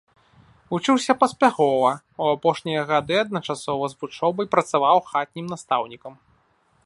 Вучыўся паспяхова, у апошнія гады адначасова з вучобай працаваў хатнім настаўнікам.